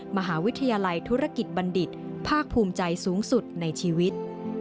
มหาวิทยาลัยธุรกิจบัณฑิตภาคภูมิใจสูงสุดในชีวิต